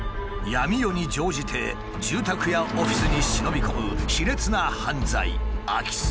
闇夜に乗じて住宅やオフィスに忍び込む卑劣な犯罪「空き巣」。